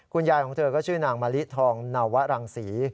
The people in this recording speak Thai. ยายของเธอก็ชื่อนางมะลิทองนาวะรังศรี